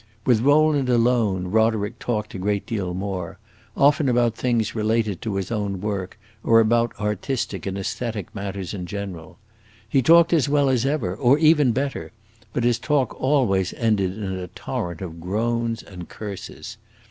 With Rowland alone Roderick talked a great deal more; often about things related to his own work, or about artistic and aesthetic matters in general. He talked as well as ever, or even better; but his talk always ended in a torrent of groans and curses.